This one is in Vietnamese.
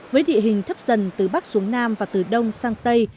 với địa hình thấp dần từ bắc xuống nam và từ đông sang tây